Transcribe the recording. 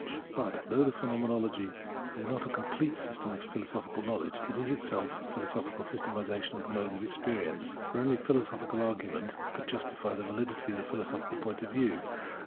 note XXX Translator's Introduction But, though the Phenomenology is not a complete system of philosophical knowledge, it is itself a philo sophical systematisation of the modes of experience. For only a philosophical argument could justify the validity of the philosophical point of view ; and th..